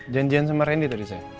janjian sama randy tadi saya